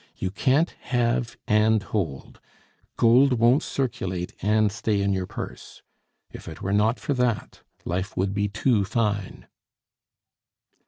You can't have and hold. Gold won't circulate and stay in your purse. If it were not for that, life would be too fine."